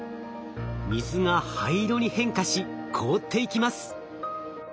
水が灰色に変化し凍っていきます。